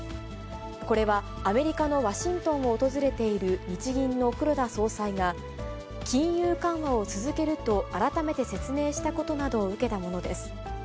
これはアメリカのワシントンを訪れている日銀の黒田総裁が、金融緩和を続けると改めて説明したことなどを受けたものです。